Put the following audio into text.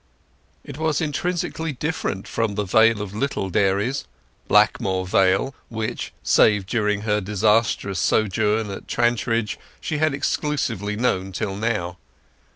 It was intrinsically different from the Vale of Little Dairies, Blackmoor Vale, which, save during her disastrous sojourn at Trantridge, she had exclusively known till now.